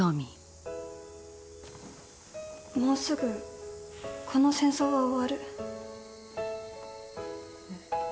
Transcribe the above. もうすぐこの戦争が終わる。